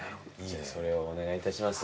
それをお願いいたします。